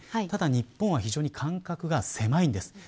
ただ日本は非常に間隔が狭いんです。